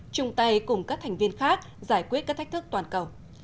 chung tay cùng các thành viên khác giải quyết các thách thức toàn cầu